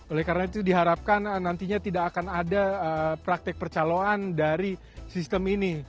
oleh karena itu diharapkan nantinya tidak akan ada praktek percaloan dari sistem ini